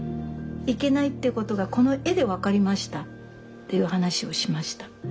行けないっていうことがこの絵で分かりましたっていう話をしました。